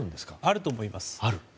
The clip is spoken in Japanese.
あると思います。